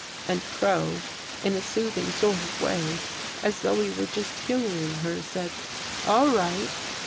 " And Crow, in a soothing sort of way, as though he were just humoring her, said ' All right.